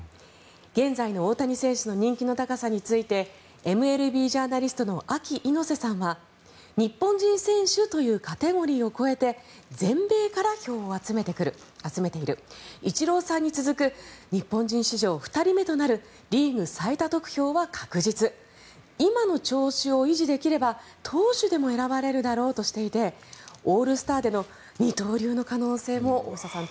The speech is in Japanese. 現在の大谷選手の人気の高さについてＭＬＢジャーナリストのＡＫＩ猪瀬さんは日本人選手というカテゴリーを越えて全米から票を集めているイチローさんに続く日本人史上２人目となるリーグ最多得票は確実今の調子を維持できれば投手でも選ばれるだろうとしていてオールスターでの二刀流の可能性も大下さん